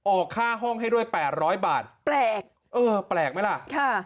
ออกค่าห้องให้ด้วย๘๐๐บาทแปลกเออแปลกไหมล่ะค่ะ